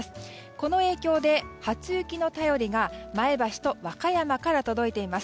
この影響で、初雪の便りが前橋と和歌山から届いています。